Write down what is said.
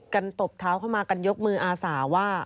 ตบเท้าเข้ามากันยกมืออาสาว่า